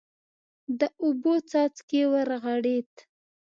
د اوبو څاڅکی ورغړېد.